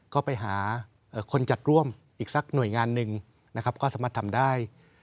ก็ไปหาคนจากร่วมอีกสักหน่วยงานหนึ่งนะครับก็สามารถทำได้